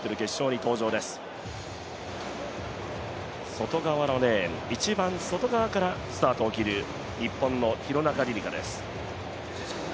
外側のレーン、一番外側からスタートを切る日本の廣中璃梨佳です。